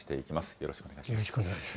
よろしくお願いします。